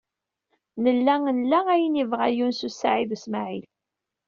Nella nla ayen ay yebɣa Yunes u Saɛid u Smaɛil.